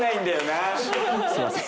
すいません。